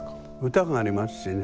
歌がありますしね。